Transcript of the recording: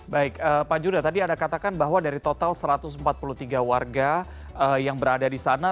baik pak judah tadi anda katakan bahwa dari total satu ratus empat puluh tiga warga yang berada di sana